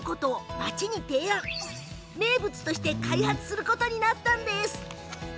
町の名物として開発することになったんです。